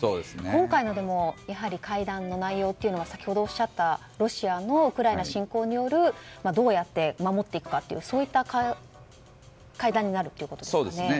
今回の会談の内容というのは先ほどおっしゃったロシアのウクライナ侵攻によるどうやって守っていくかといった会談になるということですかね。